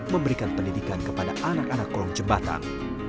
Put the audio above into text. memberikan pendidikan kepada anak anak kolong jembatan